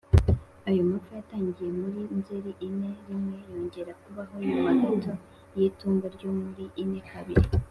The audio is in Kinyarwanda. Ayo mapfa yatangiye muri Nzeri ine rimwe, yongera kubaho nyuma gato y’itumba ryo mu ine kabiri.